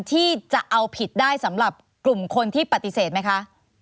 ที่จะเอาผิดได้สำหรับกลุ่มคนที่ปฏิเสธไหมคะ